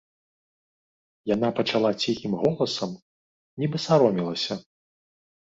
Яна пачала ціхім голасам, нібы саромелася.